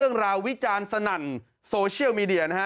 เรื่องราววิจารณ์สนั่นโซเชียลมีเดียนะฮะ